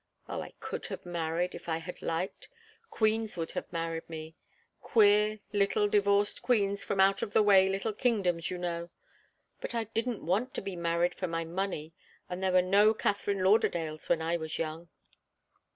Oh, I could have married, if I had liked. Queens would have married me queer, little, divorced queens from out of the way little kingdoms, you know. But I didn't want to be married for my money, and there were no Katharine Lauderdales when I was young."